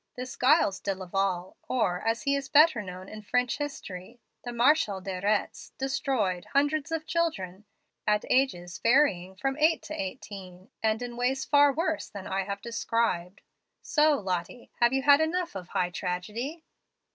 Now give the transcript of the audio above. This Giles de Laval, or, as he is better known in French history, the Marshal de Retz, destroyed hundreds of children, at ages varying from eight to eighteen, and in ways far worse than I have described. So, Lottie, have you had enough of high tragedy?"